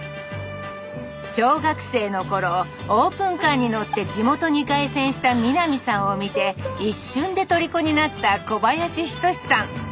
小学生の頃オープンカーに乗って地元に凱旋した三波さんを見て一瞬でとりこになった小林仁さん。